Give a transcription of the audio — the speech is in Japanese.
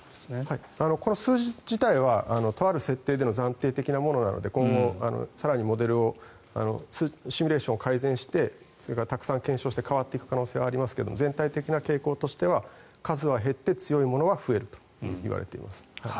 数字自体はとある設定での暫定的なものなので今後、更にモデルをシミュレーションを改善してたくさん検証して変わっていく可能性はありますが全体的な傾向としては数は減って強いものが増えるといわれています。